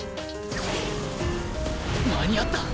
間に合った！